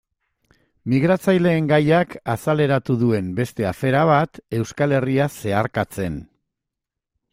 Migratzaileen gaiak azaleratu duen beste afera bat, Euskal Herria zeharkatzen.